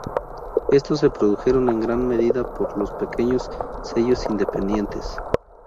Estos se produjeron en gran medida por los pequeños sellos independientes.